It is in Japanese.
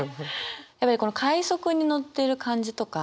やっぱりこの快速に乗ってる感じとか